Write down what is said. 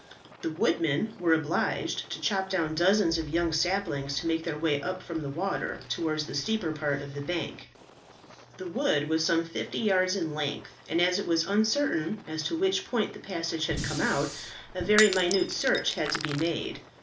The woodmen were obliged to chop down dozens of young saplings to make their way up from the water towards the steeper part of the bank. The wood was some fifty yards in length, and as it was uncertain at which point the passage had come out, a very minute search had to be made.